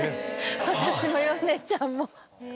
私も米ちゃんも。